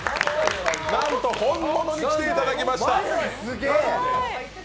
なんと本物に来ていただきました。